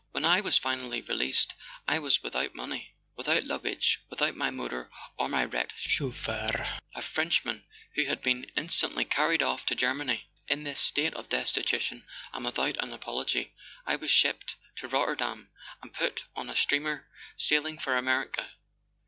"When I was finally released I was without money, without luggage, with¬ out my motor or my wretched chauffeur—a French¬ man, who had been instantly carried off to Germany. In this state of destitution, and without an apology, I was shipped to Rotterdam and put on a steamer sailing for America."